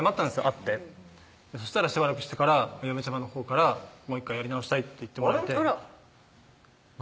会ってそしたらしばらくしてから嫁ちゃまのほうから「もう１回やり直したい」って言ってもらえて何？